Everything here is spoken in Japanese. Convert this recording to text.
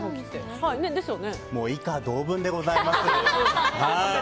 もう、以下同文でございます。